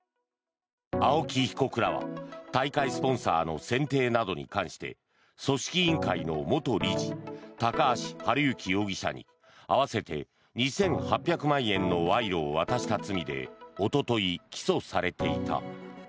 青木被告らは大会スポンサーの選定などに関して組織委員会の元理事高橋治之容疑者に合わせて２８００万円の賄賂を渡した罪でおととい、起訴されていた。